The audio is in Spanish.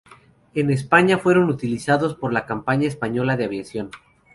En España fueron utilizados por la Compañía Española de Aviación.